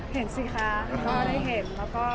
หลังจากที่เราออกมาแล้วพี่เทนออกมาตอบโต๊ะ